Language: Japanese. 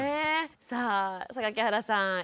さあ榊原さん